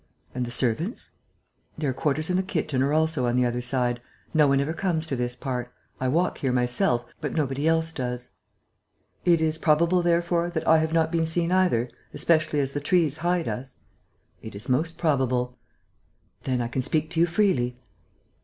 "And the servants?" "Their quarters and the kitchen are also on the other side. No one ever comes to this part. I walk here myself, but nobody else does." "It is probable, therefore, that I have not been seen either, especially as the trees hide us?" "It is most probable." "Then I can speak to you freely?"